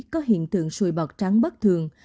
có hiện tượng sùi bọt trắng bất thường